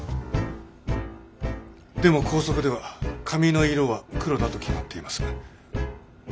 でも校則では髪の色は黒だと決まっています。